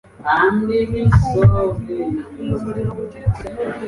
raisa yibagiwe gukinga urugi